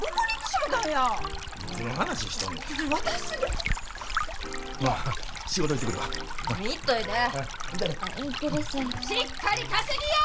しっかり稼ぎや！